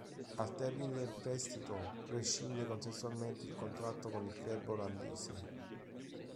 Al termine del prestito, rescinde consensualmente il contratto con il club olandese.